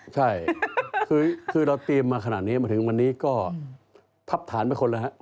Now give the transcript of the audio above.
ใช่คือเราเตรียมมาขนาดนี้มาถึงวันนี้ก็พับฐานไปคนแล้วครับ